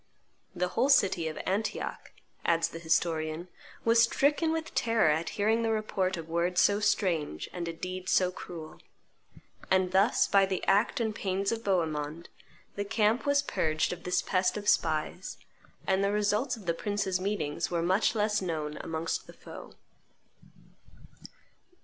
'" "The whole city of Antioch," adds the historian, "was stricken with terror at hearing the report of words so strange and a deed so cruel. And thus, by the act and pains of Bohemond, the camp was purged of this pest of spies, and the results of the princes' meetings were much less known amongst the foe."